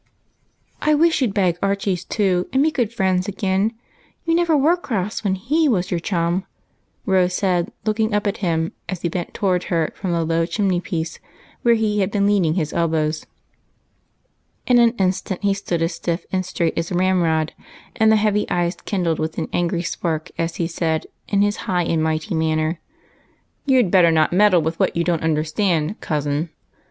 I wish you 'd beg Archie's too, and be good friends again. You never were cross when he was your chum," Rose said, looking up at him as he bent toward her from the low chimney jDiece, where he had been leaning his elbows. In an instant he stood as stiff and straight as a ram rod, and the heavy eyes kindled with an angry spark as he said, in his high and mighty manner, —" You 'd better not meddle with what you don't understand, cousin."